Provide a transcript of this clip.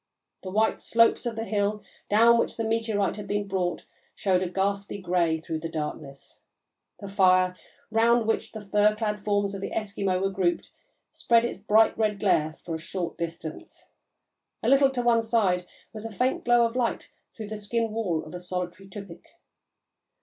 The white slopes of the hill down which the meteorite had been brought showed a ghastly grey through the darkness; the fire, round which the fur clad forms of the Eskimo were grouped, spread its bright red glare for a short distance; a little to one side was a faint glow of light through the skin wall of a solitary tupik.